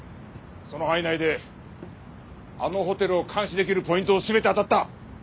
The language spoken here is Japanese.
その範囲内であのホテルを監視出来るポイントを全て当たった。